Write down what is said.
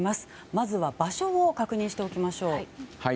まずは、場所を確認しておきましょう。